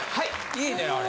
いいねあれ。